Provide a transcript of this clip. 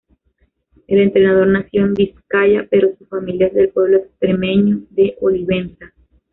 El entrenador nació en Vizcaya, pero su familia es del pueblo extremeño de Olivenza.